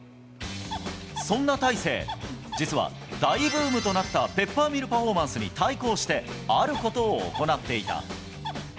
そんな大勢、実は大ブームとなったペッパーミルパフォーマンスに、対抗して、あることを行っていた。